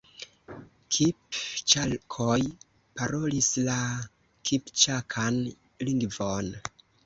Kipĉakoj parolis la kipĉakan lingvon.